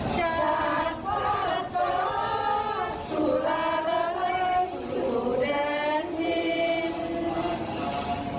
จากฝรรดาสุรราละลัยสู่แดนทิศ